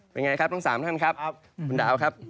เป็นไงครับทั้ง๓ท่านครับคุณดาวครับ